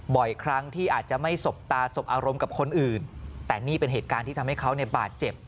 บ่อยครั้งที่อาจจะไม่สบตาสบอารมณ์กับคนอื่นแต่นี่เป็นเหตุการณ์ที่ทำให้เขาเนี่ยบาดเจ็บ